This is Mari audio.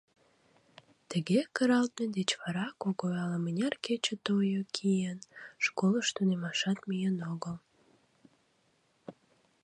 Тыге кыралтме деч вара Когой ала-мыняр кече туйо киен, школыш тунемашат миен огыл.